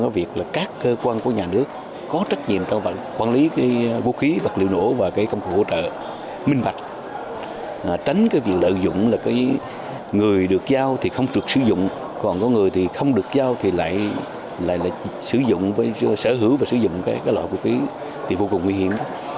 vì lợi dụng là người được giao thì không được sử dụng còn có người thì không được giao thì lại sở hữu và sử dụng các loại vũ khí thì vô cùng nguy hiểm